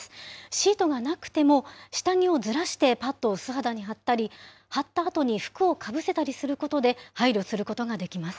シートがなくても、下着をずらしてパッドを素肌に貼ったり、貼ったあとに服をかぶせたりすることで、配慮することができます。